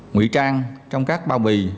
nguy trang trong các bao bì